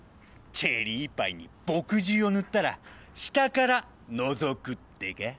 チェリーパイに墨汁を塗ったら下からのぞくってか？